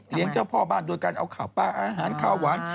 เจ้าพ่อบ้านโดยการเอาข้าวปลาอาหารข้าวหวาน